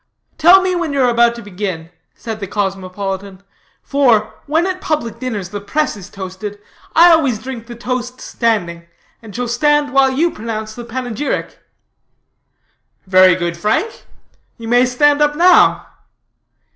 "Tell me when you are about to begin," said the cosmopolitan, "for, when at public dinners the press is toasted, I always drink the toast standing, and shall stand while you pronounce the panegyric." "Very good, Frank; you may stand up now."